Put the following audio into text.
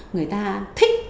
người ta thích